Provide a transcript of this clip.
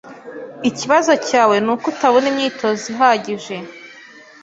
Ikibazo cyawe nuko utabona imyitozo ihagije.